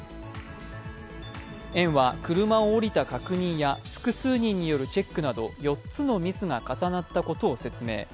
園は車を降りた確認や複数人によるチェックなど４つのミスが重なったことを説明。